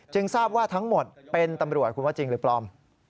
ทราบว่าทั้งหมดเป็นตำรวจคุณว่าจริงหรือปลอม